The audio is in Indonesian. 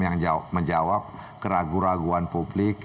yang menjawab keraguan keraguan publik